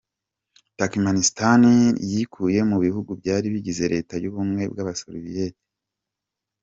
Turkmenistan yikuye mu bihugu byari bigize leta y’ubuwe bw’abasoviyeti.